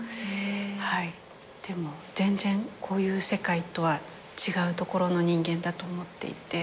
でも全然こういう世界とは違う所の人間だと思っていて。